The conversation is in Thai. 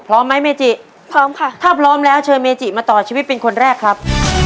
พร้อมไหมเมจิพร้อมค่ะถ้าพร้อมแล้วเชิญเมจิมาต่อชีวิตเป็นคนแรกครับ